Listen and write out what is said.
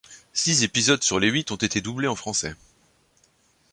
Six épisodes sur les huit ont été doublés en français.